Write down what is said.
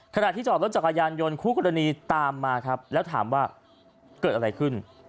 ขณะที่จอดรถจักรยานยนต์คู่กรณีตามมาครับแล้วถามว่าเกิดอะไรขึ้น